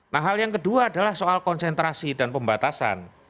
nah hal yang kedua adalah soal konsentrasi dan pembatasan